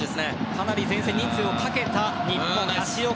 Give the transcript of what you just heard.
かなり前線、人数をかけた日本。